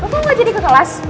lo mau gak jadi ke kelas